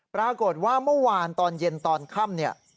ปรากฏว่าเมื่อวานตอนเย็นตอนค่ำเนี่ย